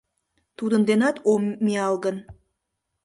Тудын денат ом миял гын